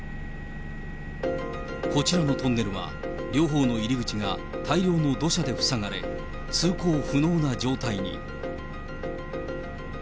こちらのトンネルは、両方の入り口が大量の土砂で塞がれ、通行不能な状態に。